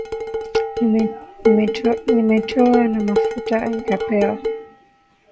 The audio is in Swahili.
Nimetoa na mafuta nikapewa.